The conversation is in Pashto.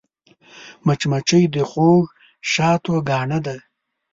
مچمچۍ د خوږ شاتو ګاڼه ده